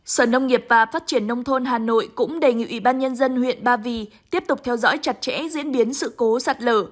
sở nông nghiệp và phát triển nông thôn hà nội cũng đề nghị ủy ban nhân dân huyện ba vì tiếp tục theo dõi chặt chẽ diễn biến sự cố sạt lở